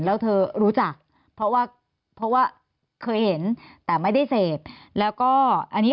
แล้วเธอรู้จักเพราะว่าเพราะว่าเคยเห็นแต่ไม่ได้เสพแล้วก็อันนี้